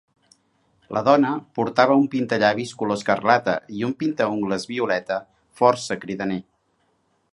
La dona portava un pintallavis color escarlata i un pintaungles violeta força cridaner.